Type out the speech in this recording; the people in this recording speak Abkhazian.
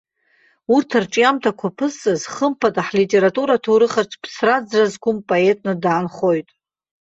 Урҭ арҿиамҭақәа аԥызҵаз, хымԥада, ҳлитература аҭоурыхаҿ ԥсра-ӡра зқәым поетны даанхоит.